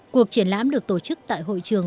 cuộc triển lãm được tổ chức tại hội trường